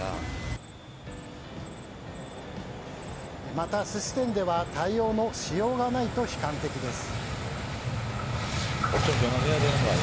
また、寿司店では対応のしようがないと悲観的です。